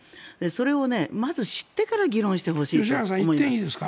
それをまず知ってから議論してほしいと思います。